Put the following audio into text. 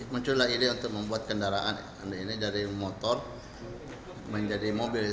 muncullah ide untuk membuat kendaraan ini dari motor menjadi mobil